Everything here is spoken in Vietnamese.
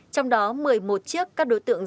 trong đó một mươi một chiếc các đối tượng